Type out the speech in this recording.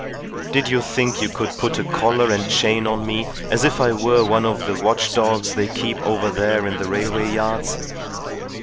Did you think you could put a collar and chain on me as if I were one of the watch dogs they keep over there in the railway yards?